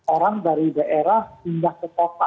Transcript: orang dari daerah pindah ke kota